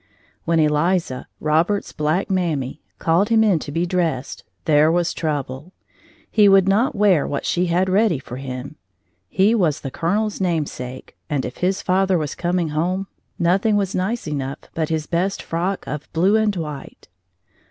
When Eliza, Robert's black mammy, called him in to be dressed, there was trouble. He would not wear what she had ready for him. He was the Colonel's namesake, and if his father was coming home, nothing was nice enough but his best frock of blue and white.